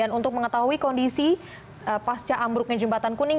dan untuk mengetahui kondisi pasca ambruknya jembatan kuning